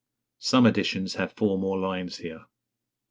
..... {Some editions have four more lines here.